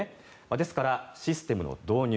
ですから、システムの導入